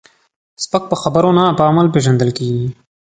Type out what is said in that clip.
سپک په خبرو نه، په عمل پیژندل کېږي.